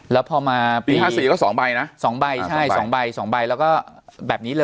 แล้วพอมาปี